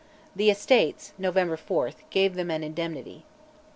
The Estates (November 4) gave them an indemnity.